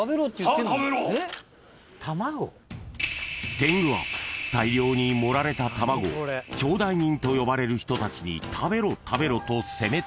［天狗は大量に盛られた卵を頂戴人と呼ばれる人たちに「食べろ食べろ」と責め立てます］